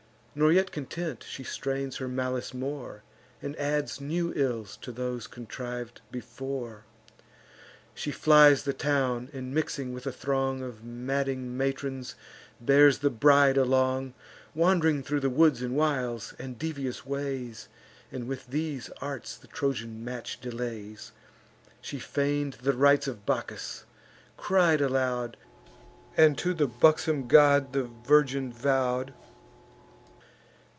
Nor yet content, she strains her malice more, And adds new ills to those contriv'd before: She flies the town, and, mixing with a throng Of madding matrons, bears the bride along, Wand'ring thro' woods and wilds, and devious ways, And with these arts the Trojan match delays. She feign'd the rites of Bacchus; cried aloud, And to the buxom god the virgin vow'd.